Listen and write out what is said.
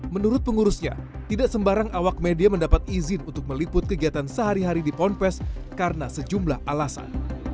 menurut pengurusnya tidak sembarang awak media mendapat izin untuk meliput kegiatan sehari hari di pond pesantren karena sejumlah alasan